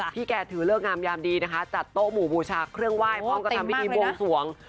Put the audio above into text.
แกถือเลิกงามยามดีนะคะจัดโต๊ะหมู่บูชาเครื่องไหว้พร้อมกับทำพิธีบวงสวง